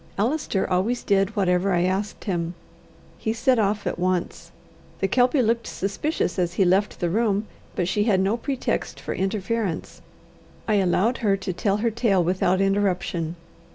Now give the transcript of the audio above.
Allister always did whatever I asked him. He set off at once. The Kelpie looked suspicious as he left the room, but she had no pretext for interference. I allowed her to tell her tale without interruption.